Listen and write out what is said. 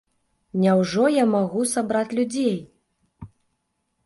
Няўжо я магу сабраць людзей?